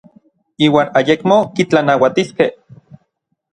Iuan ayekmo kitlanauatiskej.